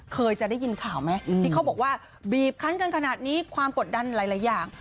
เคยจะได้ยินข่าวไหมที่เขาบอกว่าบีบคันกันขนาดนี้ความกดดันหลายอย่าง